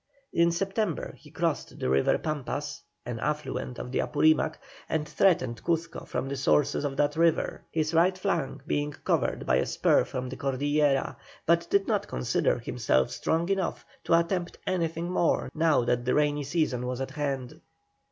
In September he crossed the river Pampas, an affluent of the Apurimac, and threatened Cuzco from the sources of that river, his right flank being covered by a spur from the Cordillera, but did not consider himself strong enough to attempt anything more now that the rainy season was at hand.